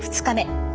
２日目。